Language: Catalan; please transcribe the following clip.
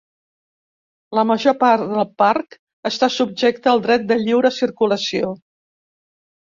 La major part del parc està subjecta al dret de lliure circulació.